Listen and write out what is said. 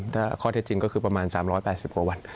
ถ้าข้อเท็จจริงก็คือประมาณ๓๘๐กว่าวัน